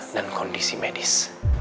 dan kondisi medis